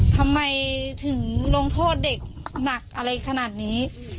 ทำไมถึงลงโทษเด็กหนักอะไรขนาดนี้